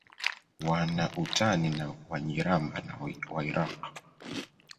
Wana utani na Wanyiramba na Wairaqw